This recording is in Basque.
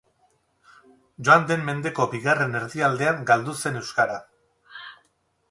Joan den mendeko bigarren erdialdean galdu zen euskara.